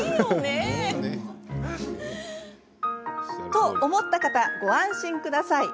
と思った方、ご安心ください。